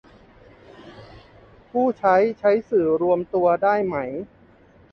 ผู้ใช้ใช้สื่อรวมตัวได้ไหม